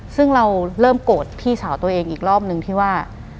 ซึ่งเราเริ่มโกรธพี่สาวตัวเองอีกรอบนึงที่ว่า